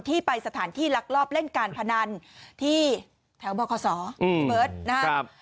ไปสถานที่ลักลอบเล่นการพนันที่แถวบคศพี่เบิร์ตนะครับ